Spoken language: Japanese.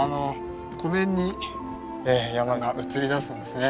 湖面に山が映り出すんですね。